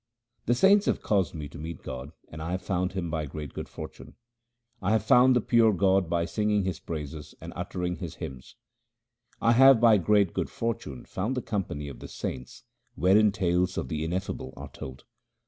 The saints have caused me to meet God, and I have found Him by great good fortune. I have found the pure God by singing His praises and uttering His hymns. I have by great good fortune found the company of the saints wherein tales of the Ineffable are told.